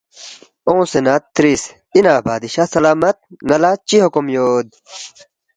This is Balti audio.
اونگسے نہ ترِس، ”اِنا بادشاہ سلامت ن٘ا لہ چِہ حکم یود